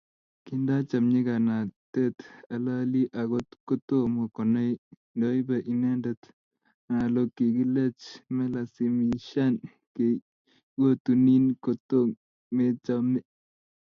kindacham nyikanatet halali akot kotoma konai ndoibe inendet analo, kikilech melasimishan geikotunin kotkomechame